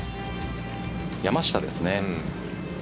山下ですね。